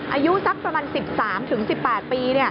อายุสักประมาณ๑๓๑๘ปี